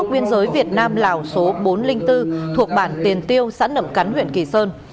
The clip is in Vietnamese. biên giới việt nam lào số bốn trăm linh bốn thuộc bản tiền tiêu xã nậm cắn huyện kỳ sơn